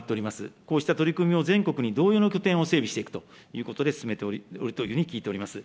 こうした取り組みを全国に同様の拠点を整備していくということで進めておるというふうに聞いております。